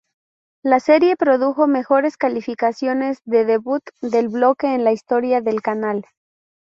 La serie produjo mejores calificaciones de debut del bloque en la historia del canal.